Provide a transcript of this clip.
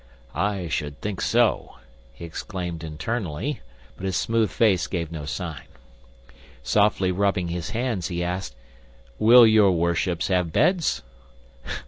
"I should think so!" he exclaimed internally, but his smooth face gave no sign. Softly rubbing his hands, he asked, "Will your worships have beds?"